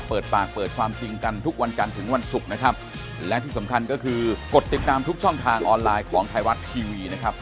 เพราะฉะนั้นยืนยันนะครับว่าเราอยู่ร่วมกันได้อย่างสงบสุขนะ